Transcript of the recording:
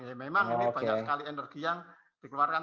ya memang ini banyak sekali energi yang dikeluarkan